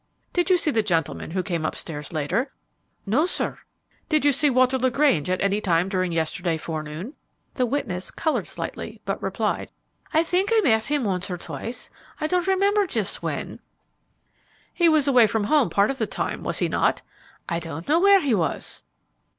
"Did you see the gentleman who came up stairs later?" "No, sir." "Did you see Walter LaGrange at any time during yesterday forenoon?" The witness colored slightly, but replied, "I think I met him once or twice; I don't remember just when." "He was away from home part of the time, was he not?" "I don't know where he was."